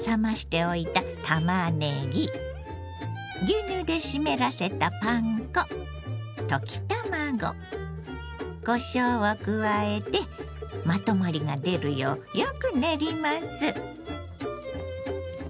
牛乳で湿らせたパン粉溶き卵こしょうを加えてまとまりが出るようよく練ります。